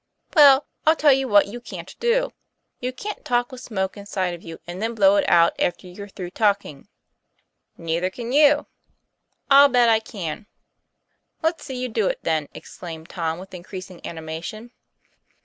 "Well, I'll tell you what you can't do; you can't talk with smoke inside of you and then blow it out after you're through talking." "Neither can you." "I'll bet lean." "Let's see you do it, then!" exclaimed Tom with increasing animation.